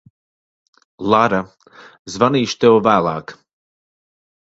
Lara, zvanīšu tev vēlāk.